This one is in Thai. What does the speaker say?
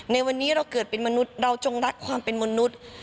ในวันนี้เราเกิดเป็นมนุษย์เราจงรักความเป็นมนุษย์